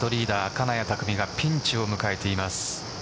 金谷拓実がピンチを迎えています。